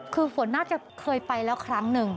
คือฝนน่าจะเคยไปแล้วครั้งหนึ่ง